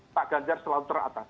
pak ganjar selalu teratas